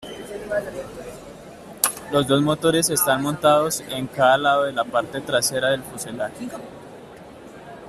Los dos motores están montados en cada lado de la parte trasera del fuselaje.